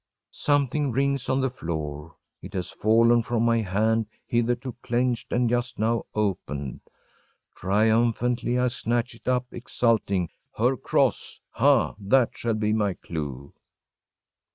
‚ÄĚ Something rings on the floor. It has fallen from my hand, hitherto clenched and just now opened. Triumphantly I snatch it up, exulting: “Her cross! Ha! that shall be my clue!